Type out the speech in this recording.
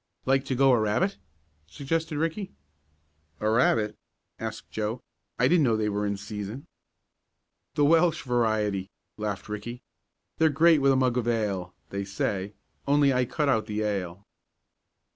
"Like to go a rabbit?" suggested Ricky. "A rabbit?" asked Joe. "I didn't know they were in season?" "The Welsh variety," laughed Ricky. "They're great with a mug of ale, they say, only I cut out the ale."